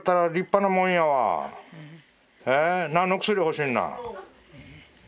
何の薬欲しいんな。